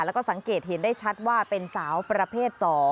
แล้วก็สังเกตเห็นได้ชัดว่าเป็นสาวประเภท๒